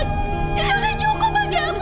itu udah cukup bagi aku